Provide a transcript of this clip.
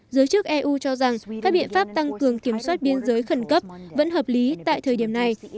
giới chức eu cho rằng các biện pháp tăng cường kiểm soát biên giới khẩn cấp vẫn hợp lý tại thời điểm này